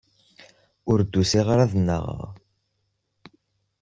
Ur d-usiɣ ara ad nnaɣeɣ.